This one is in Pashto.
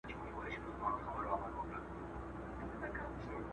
څېړنه روانه ده.